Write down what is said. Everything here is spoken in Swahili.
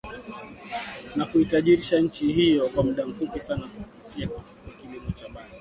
na kuitajirisha nchi hiyo kwa mda mfupi sana kwa kupitia kwa kilimo cha bangi